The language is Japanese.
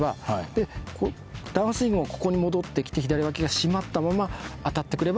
でダウンスイングもここに戻ってきて左脇が締まったまま当たってくればいいという事です。